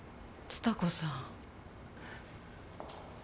つた子さん。